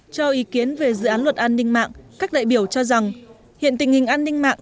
cho ý kiến về dự án luật an ninh mạng các đại biểu cho rằng hiện tình hình an ninh mạng